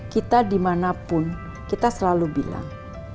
kita dimanapun kita selalu bilang